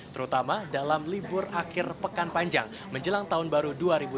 terutama dalam libur akhir pekan panjang menjelang tahun baru dua ribu delapan belas